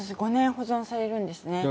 ５年保存されるんですね。